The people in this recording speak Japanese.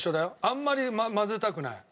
あんまり混ぜたくない。